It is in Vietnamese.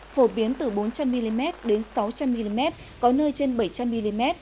phổ biến từ bốn trăm linh mm đến sáu trăm linh mm có nơi trên bảy trăm linh mm